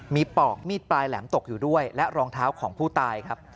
มีปอกมีดปลายแหลมตกอยู่ด้วยและรองเท้าของผู้ตายครับ